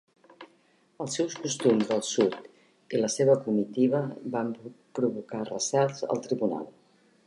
Els seus costums del sud i la seva comitiva van provocar recels al tribunal.